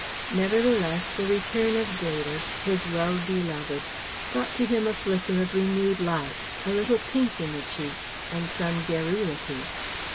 Nevertheless the return of David, his well beloved, brought to him a flicker of renewed life, a little pink in the cheeks, and some garrulity.